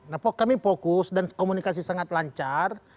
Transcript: nah kami fokus dan komunikasi sangat lancar